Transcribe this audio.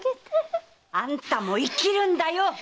あんたも生きるんだよ！